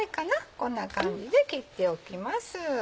こんな感じで切っておきます。